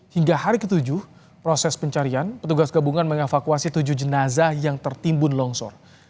hingga hari ketujuh proses pencarian petugas gabungan mengevakuasi tujuh jenazah yang tertimbun longsor